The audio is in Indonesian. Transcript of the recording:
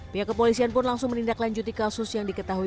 pihak kepolisian pun langsung menindaklanjuti kasus yang diketahui